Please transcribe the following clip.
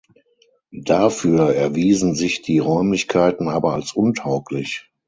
Dafür erwiesen sich die Räumlichkeiten aber als untauglich.